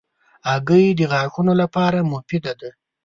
هګۍ د غاښونو لپاره مفیده ده.